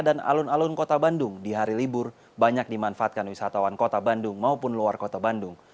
dan kota bandung di hari libur banyak dimanfaatkan wisatawan kota bandung maupun luar kota bandung